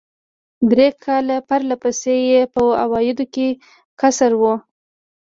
درې کاله پر له پسې یې په عوایدو کې کسر و.